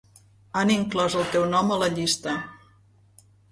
Han inclòs el teu nom a la llista.